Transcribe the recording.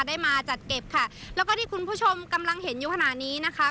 ได้มาจัดเก็บค่ะแล้วก็ที่คุณผู้ชมกำลังเห็นอยู่ขณะนี้นะคะ